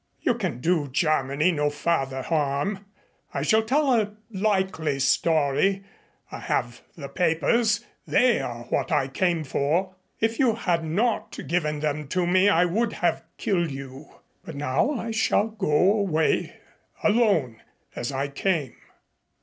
You can do Germany no further harm. I shall tell a likely story. I have the papers they are what I came for. If you had not given them to me I would have killed you, but now I shall go away alone as I came."